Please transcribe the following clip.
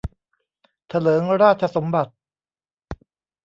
เถลิงราชสมบัติ